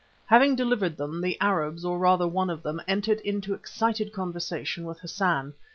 Having delivered them, the Arabs, or rather one of them, entered into excited conversation with Hassan.